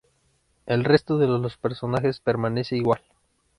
El resto de los personajes permanece igual.